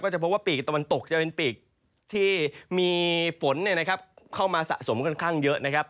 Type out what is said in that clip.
จะพบว่าปีกตะวันตกจะเป็นปีกที่มีฝนเข้ามาสะสมค่อนข้างเยอะนะครับ